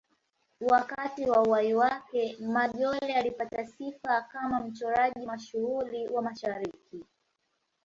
Wakati wa uhai wake, Majolle alipata sifa kama mchoraji mashuhuri wa Mashariki.